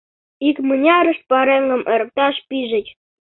Икмынярышт пареҥгым эрыкташ пижыч.